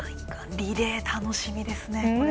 リレー、楽しみですね。